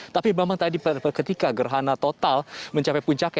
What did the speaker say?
tapi memang tadi ketika gerhana total mencapai puncaknya